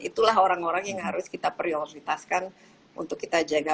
itulah orang orang yang harus kita prioritaskan untuk kita jaga